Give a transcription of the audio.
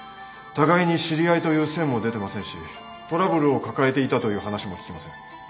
互いに知り合いという線も出てませんしトラブルを抱えていたという話も聞きません。